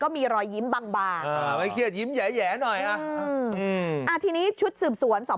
พี่เบิ้ร์ตทศไม่เหมือนวันก่อน